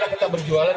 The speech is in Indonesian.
jadi tetap berjualan